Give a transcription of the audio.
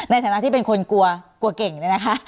ในฐานะที่เป็นคนกลัวกลัวเก่งเนี่ยนะคะ